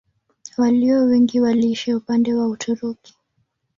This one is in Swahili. Walio wengi waliishi upande wa Uturuki.